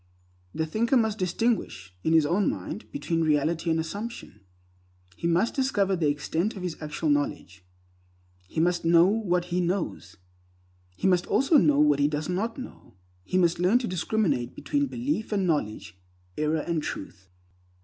The thinker must distinguish, in his own mind, between reality and assumption. He must discover the extent of his actual knowledge. He must know what he knows. He must also know what he does not know. He must learn to discriminate between belief and knowledge, error and Truth.